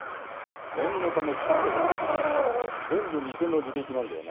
念のため聞くけどさ全部偽の履歴なんだよな？